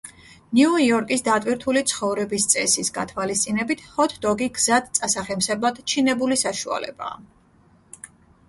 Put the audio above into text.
ნიუ-იორკის დატვირთული ცხოვრების წესის გათვალისწინებით, ჰოთ-დოგი გზად წასახემსებლად ჩინებული საშუალებაა.